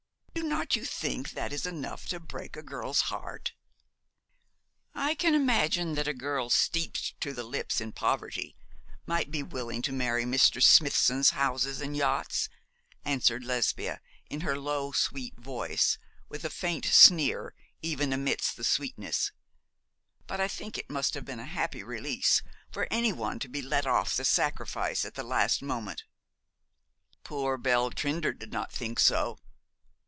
Do not you think that is enough to break a girl's heart?' 'I can imagine that a girl steeped to the lips in poverty might be willing to marry Mr. Smithson's houses and yachts,' answered Lesbia, in her low sweet voice, with a faint sneer even amidst the sweetness, 'but, I think it must have been a happy release for any one to be let off the sacrifice at the last moment.' 'Poor Belle Trinder did not think so.'